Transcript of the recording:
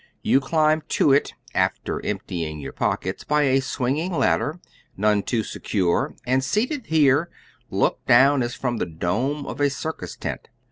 You climb to it (after emptying your pockets) by a swinging ladder, none too secure, and, seated here, look down as from the dome of a circus tent.